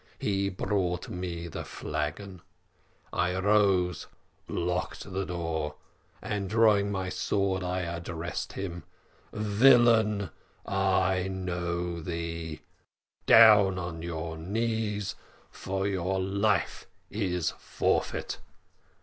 He brought me the flagon. I rose, locked the door, and drawing my sword, I addressed him: "`Villain; I know thee; down on your knees, for your life is forfeited.'